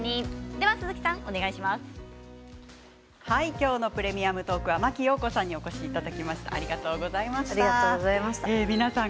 今日の「プレミアムトーク」は真木よう子さんにお越しいただきました。